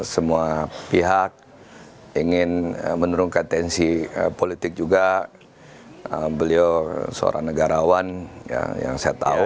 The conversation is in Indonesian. semua pihak ingin menurunkan tensi politik juga beliau seorang negarawan yang saya tahu